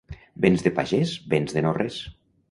Béns de pagès, béns de no res.